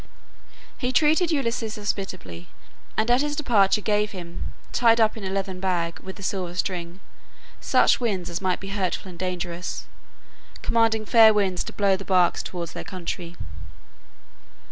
He treated Ulysses hospitably, and at his departure gave him, tied up in a leathern bag, with a silver string, such winds as might be hurtful and dangerous, commanding fair winds to blow the barks towards their country.